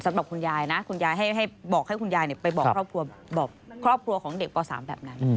สำหรับคุณยายนะบอกให้คุณยายไปบอกครอบครัวของเด็กป๓แบบนั้น